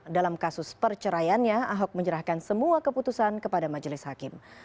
dalam kasus perceraiannya ahok menyerahkan semua keputusan kepada majelis hakim